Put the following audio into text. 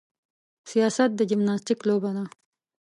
سیاست د جمناستیک لوبه ده.